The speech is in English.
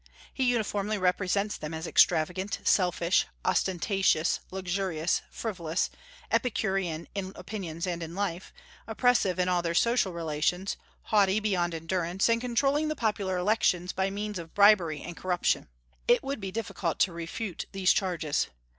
He uniformly represents them as extravagant, selfish, ostentatious, luxurious, frivolous, Epicurean in opinions and in life, oppressive in all their social relations, haughty beyond endurance, and controlling the popular elections by means of bribery and corruption. It would be difficult to refute these charges.